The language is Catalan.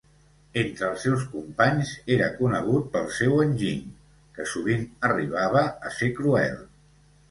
Entre els seus companys era conegut pel seu enginy, que sovint arribava a ser cruel.